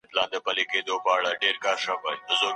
سفیران چیري د پوهني حق غوښتنه کوي؟